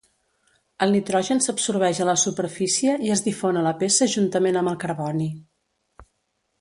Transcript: El nitrogen s'absorbeix a la superfície i es difon a la peça juntament amb el carboni.